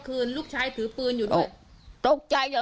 กังฟูเปล่าใหญ่มา